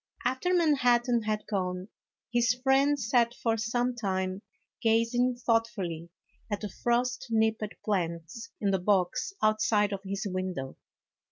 After Manhattan had gone, his friend sat for some time gazing thoughtfully at the frost nipped plants in the box outside of his window.